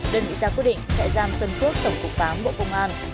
đơn vị gia quyết định chạy giam xuân phước tổng phục ván bộ công an